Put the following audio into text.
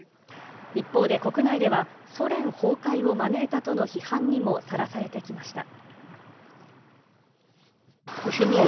一方で、国内では、ソ連崩壊を招いたとの批判にもさらされてきました。